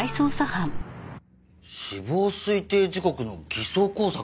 死亡推定時刻の偽装工作？